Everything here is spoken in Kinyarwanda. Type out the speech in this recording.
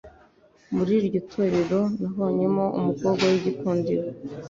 Muri iryo torero nabonyemo umukobwa w'igikundiro